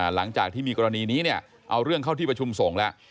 หลังจากที่มีกรณีนี้เนี่ยเอาเรื่องเข้าที่ประชุมส่งแล้ว